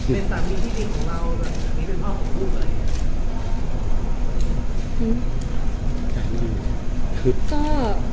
เป็นสามีที่ดีของเราเป็นสามีที่เป็นพ่อของพูดอะไร